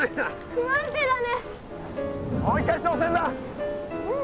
不安定だね。